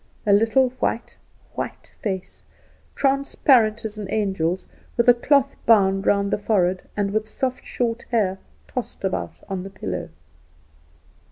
A little white, white face, transparent as an angel's with a cloth bound round the forehead, and with soft hair tossed about on the pillow.